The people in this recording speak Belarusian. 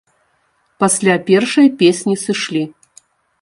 Пасля першай песні сышлі.